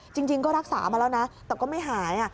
จริงก็รักษามาแล้วนะแต่ก็ไม่หาย